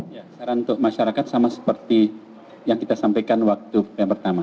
ya saran untuk masyarakat sama seperti yang kita sampaikan waktu yang pertama